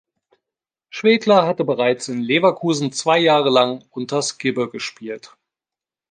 Schwegler hatte bereits in Leverkusen zwei Jahre lang unter Skibbe gespielt.